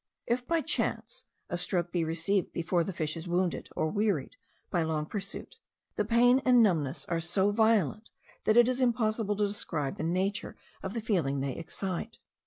If by chance a stroke be received before the fish is wounded or wearied by long pursuit, the pain and numbness are so violent that it is impossible to describe the nature of the feeling they excite.